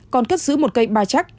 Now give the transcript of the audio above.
còn cất giữ một cây ba chắc